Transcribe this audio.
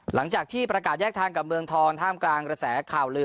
หลังจากที่ประกาศแยกทางกับเมืองทองท่ามกลางกระแสข่าวลือ